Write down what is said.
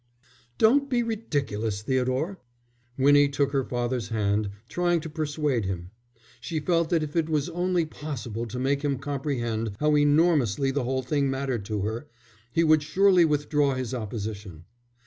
"Don't be ridiculous, Theodore." Winnie took her father's hand, trying to persuade him. She felt that if it was only possible to make him comprehend how enormously the whole thing mattered to her, he would surely withdraw his opposition.